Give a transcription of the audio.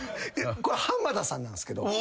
これ浜田さんなんですけど。